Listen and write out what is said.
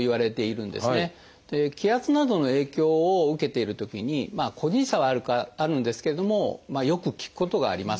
気圧などの影響を受けているときに個人差はあるんですけれどもよく効くことがあります。